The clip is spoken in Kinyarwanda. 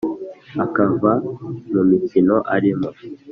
akava mu mikino arimo,